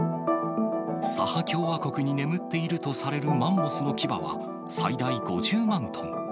サハ共和国に眠っているとされるマンモスの牙は、最大５０万トン。